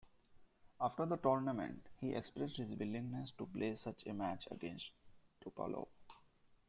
After the tournament, he expressed his willingness to play such a match against Topalov.